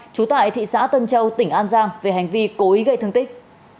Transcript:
trú tại thị xã tân châu tỉnh an giang về hành vi cố ý gây thương tích